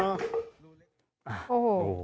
โอ้โห